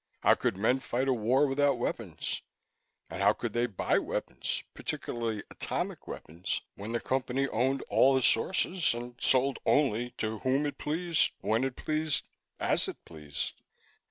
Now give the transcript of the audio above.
How could men fight a war without weapons and how could they buy weapons, particularly atomic weapons, when the Company owned all the sources and sold only to whom it pleased, when it pleased, as it pleased?